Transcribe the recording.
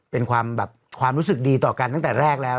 เป็นความแบบความรู้สึกดีต่อกันตั้งแต่แรกแล้ว